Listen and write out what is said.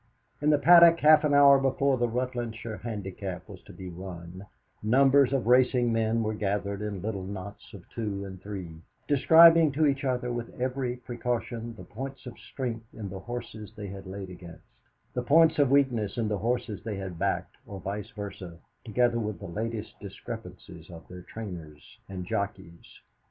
In the Paddock half an hour before the Rutlandshire Handicap was to be run numbers of racing men were gathered in little knots of two and three, describing to each other with every precaution the points of strength in the horses they had laid against, the points of weakness in the horses they had backed, or vice versa, together with the latest discrepancies of their trainers and jockeys.